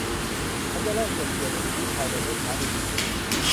ฉันจะเริ่มเก็บเกี่ยวลูกพีชภายในไม่ช้าในปีนี้